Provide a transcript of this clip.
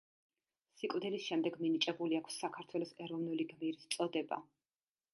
სიკვდილის შემდეგ მინიჭებული აქვს საქართველოს ეროვნული გმირის წოდება.